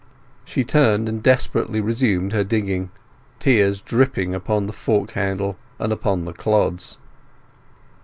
She turned, and desperately resumed her digging, tears dripping upon the fork handle and upon the clods.